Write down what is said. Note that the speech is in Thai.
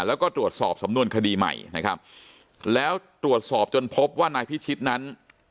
แล้วก็ตรวจสอบสำนวนคดีใหม่นะครับแล้วตรวจสอบจนพบว่านายพิชิตนั้น